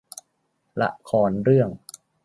ละครเรื่อง